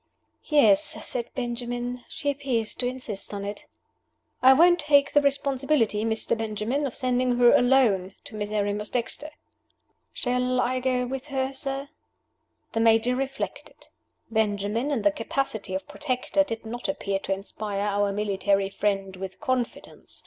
"Yes," said Benjamin. "She appears to insist on it." "I won't take the responsibility, Mr. Benjamin, of sending her alone to Miserrimus Dexter." "Shall I go with her, sir?" The Major reflected. Benjamin, in the capacity of protector, did not appear to inspire our military friend with confidence.